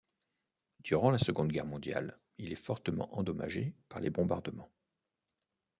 Durant la Seconde Guerre mondiale, il est fortement endommagé par les bombardements.